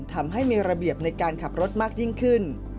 ทำให้มีระเบียบในการขับรถมากยิ่งขึ้น